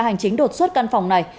hành chính đột xuất căn phòng này